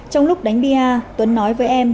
trong lúc đánh bia tuấn nói với em